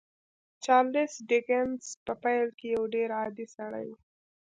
چارلیس ډیکنز په پیل کې یو ډېر عادي سړی و